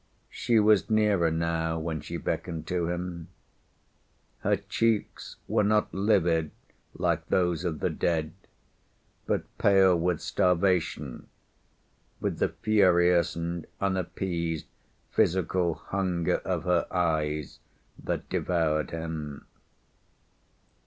She was nearer now when she beckoned to him. Her cheeks were not livid like those of the dead, but pale with starvation, with the furious and unappeased physical hunger of her eyes that devoured him.